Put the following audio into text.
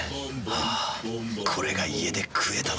あぁこれが家で食えたなら。